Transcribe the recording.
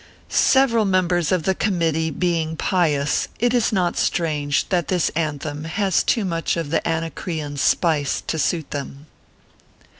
Several members of the committee being pious, it is not strange that this " an them" has too much of the Anacreon spice to suit them.